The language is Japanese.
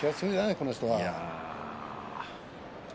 この人は。